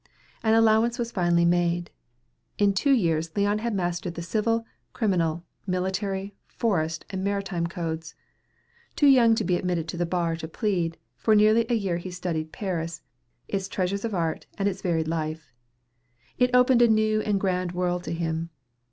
An allowance was finally made. In two years Leon had mastered the civil, criminal, military, forest, and maritime codes. Too young to be admitted to the bar to plead, for nearly a year he studied Paris, its treasures of art, and its varied life. It opened a new and grand world to him.